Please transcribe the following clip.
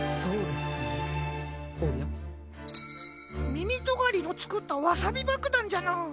みみとがりのつくったワサビばくだんじゃな。